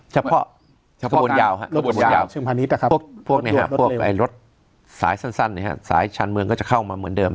จะเป็นพวกไอ้รถสายสั้นสายชั้นเมืองก็จะเข้ามาเหมือนเดิม